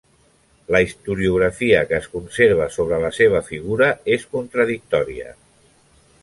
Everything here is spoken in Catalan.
La historiografia que es conserva sobre la seva figura és contradictòria.